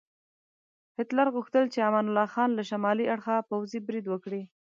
هیټلر غوښتل چې امان الله خان له شمالي اړخه پوځي برید وکړي.